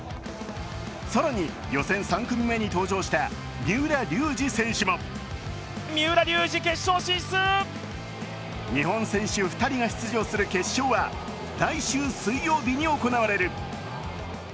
更に、予選３組目に登場した三浦龍司選手も日本船主２人が出場する決勝は来週水曜日に行われる。